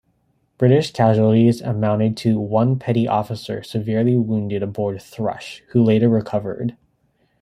British casualties amounted to one Petty Officer severely wounded aboard "Thrush" who later recovered.